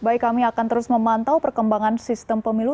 baik kami akan terus memantau perkembangan sistem pemilu